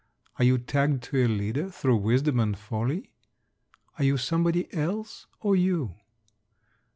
Are you tagged to a leader through wisdom and folly? Are you Somebody Else, or You?